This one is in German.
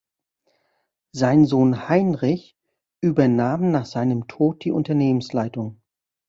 Sein Sohn Heinrich übernahm nach seinem Tod die Unternehmensleitung.